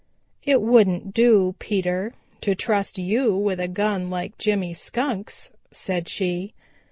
"It wouldn't do, Peter, to trust you with a gun like Jimmy Skunk's," said she.